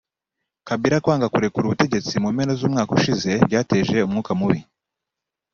Kabila kwanga kurekura ubutegetsi mu mpera z’umwaka ushize byateje umwuka mubi